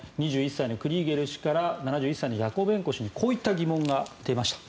２１歳のクリーゲル氏から７１歳のヤコベンコ氏にこういった疑問が出ました。